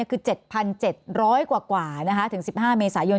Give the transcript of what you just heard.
คือ๗๗๐๐กว่าถึง๑๕เมษายน